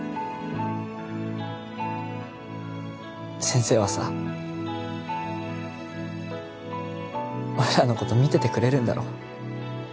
先生はさ俺らのこと見ててくれるんだろ？